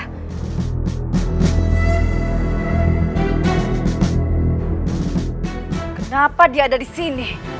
kenapa dia ada di sini